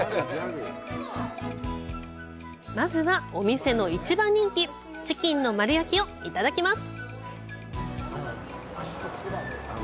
まずはお店の一番人気チキンの丸焼きをいただきます。